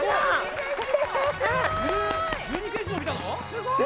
すごい！